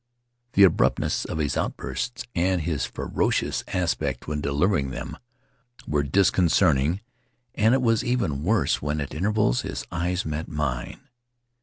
The abruptness of his outbursts and his ferocious aspect when delivering them were dis concerting; and it was even worse when, at intervals, his eyes met mine.